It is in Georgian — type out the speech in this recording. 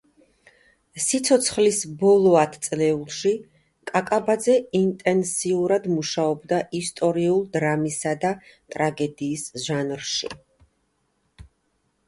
სიცოცხლის ბოლო ათწლეულში კაკაბაძე ინტენსიურად მუშაობდა ისტორიულ დრამისა და ტრაგედიის ჟანრში.